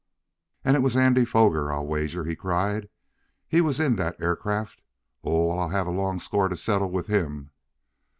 "And it was Andy Foger, I'll wager!" he cried. "He was in that aircraft! Oh, I'll have a long score to settle with him!"